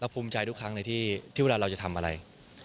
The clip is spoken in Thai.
ภูมิใจทุกครั้งเลยที่เวลาเราจะทำอะไร